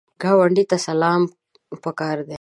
ګاونډي ته سلام پکار دی